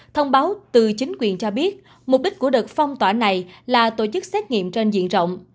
thông báo từ chính quyền cho biết mục đích của đợt phong tỏa này là tổ chức xét nghiệm trên diện rộng